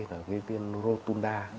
là cái viên rotunda